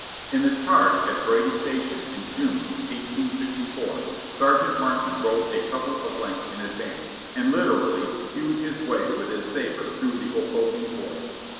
In the charge at Brandy Station, in June, 1864, Sergeant Martin rode a couple of lengths in advance, and literally hewed his w^ay with his sabre through the opposing force.